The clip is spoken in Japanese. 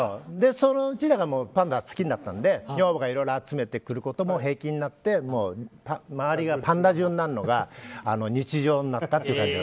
そのうちパンダが好きになったので女房がいろいろ集めてくることも平気になって周りがパンダだらけになるのが日常になったっていう。